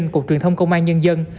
cục truyền thông công an nhân dân